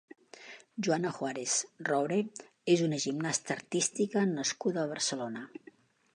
Joana Juárez Roura és una gimnasta artística nascuda a Barcelona.